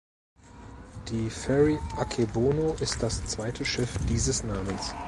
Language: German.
Die "Ferry Akebono" ist das zweite Schiff dieses Namens.